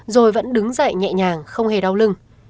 rồi vẫn đứng dậy nhẹ nhàng không hề đau lưng